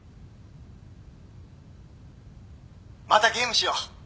またゲームしよう。